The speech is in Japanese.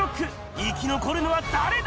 生き残るのは誰だ？